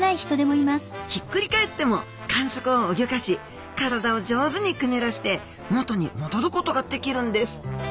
ひっくり返っても管足をうギョかし体を上手にくねらせて元にもどることができるんです。